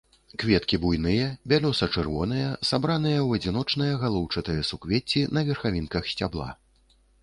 Кветкі буйныя, бялёса-чырвоныя, сабраныя ў адзіночныя галоўчатыя суквецці на верхавінках сцябла.